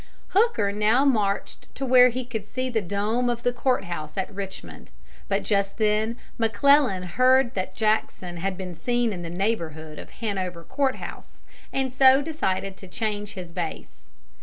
Hooker now marched to where he could see the dome of the court house at Richmond, but just then McClellan heard that Jackson had been seen in the neighborhood of Hanover Court House, and so decided to change his base.